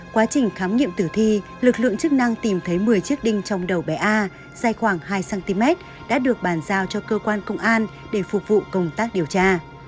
quá trình khám nghiệm tử thi lực lượng chức năng tìm thấy một mươi chiếc đinh trong đầu bé a dài khoảng hai cm đã được bàn giao cho cơ quan công an để phục vụ công tác điều tra